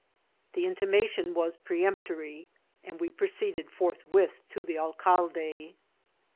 The intimation was peremptory, and we proceeded forthwith to the alcalde.